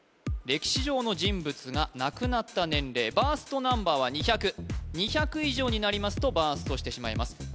歴史上の人物が亡くなった年齢バーストナンバーは２００２００以上になりますとバーストしてしまいます